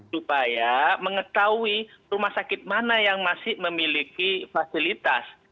supaya mengetahui rumah sakit mana yang masih memiliki fasilitas